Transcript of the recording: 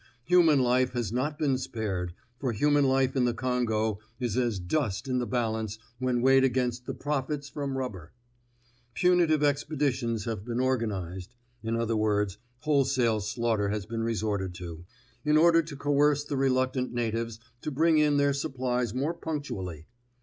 Human life has not been spared, for human life in the Congo is as dust in the balance when weighed against the profits from rubber. Punitive expeditions have been organized (in other words, wholesale slaughter has been resorted to), in order to coerce the reluctant natives to bring in their supplies more punctually.